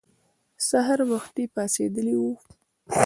سهار وختي پاڅېدلي وو.